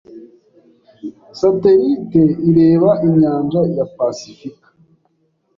Satelite ireba inyanja ya pasifika